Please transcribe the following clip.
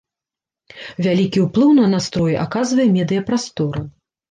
Вялікі ўплыў на настроі аказвае медыяпрастора.